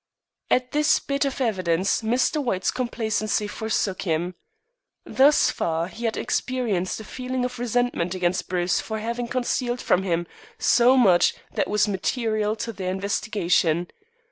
At this bit of evidence Mr. White's complacency forsook him. Thus far he had experienced a feeling of resentment against Bruce for having concealed from him so much that was material to their investigation.